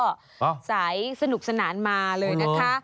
สายสนุกสนานมาเลยนะคะ